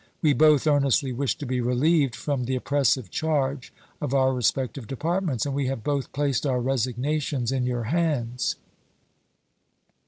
We both earnestly wish to be relieved from the oppressive charge of our respective Depart ments, and we have both placed our resignations in your hands.